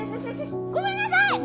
ごめんなさい！